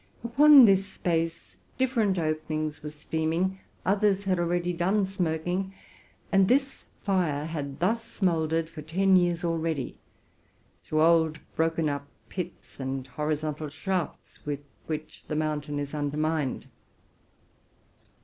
Upon this space different openings were steaming, others had already done smoking ; and this fire had thus smouldered for ten years already through old broken up pits and hori zontal shafts, with which the mountain is undermined.